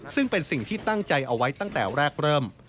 ซึ่งเป็นสิ่งที่ตั้งใจเอาไว้ตั้งแต่แรกเริ่ม